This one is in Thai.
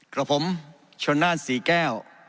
กับผมชนนานศรีแก้ว